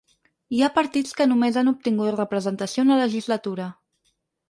Hi ha partits que només han obtingut representació una legislatura.